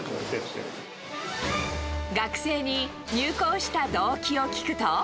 学生に入校した動機を聞くと。